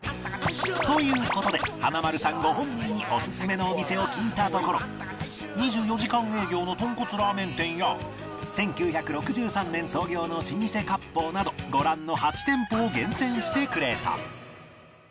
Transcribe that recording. という事で華丸さんご本人にオススメのお店を聞いたところ２４時間営業のとんこつラーメン店や１９６３年創業の老舗割烹などご覧の８店舗を厳選してくれた